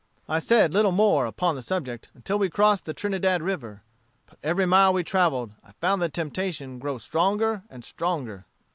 I said little more upon the subject until we crossed the Trinidad River. But every mile we travelled, I found the temptation grew stronger and stronger."